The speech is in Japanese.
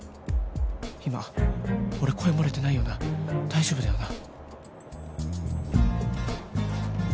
今俺声漏れてないよな大丈夫だよな